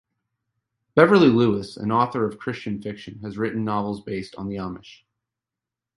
Beverly Lewis, an author of Christian fiction, has written novels based on the Amish.